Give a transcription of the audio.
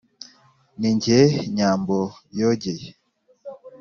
Ni jye Nyambo yogeye